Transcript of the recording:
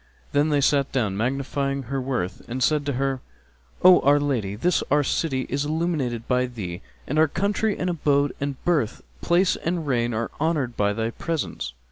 Then they sat down, magnifying her worth and said to her, "O our lady, this our city is illumined by thee, and our country and abode and birth place and reign are honoured by thy presence.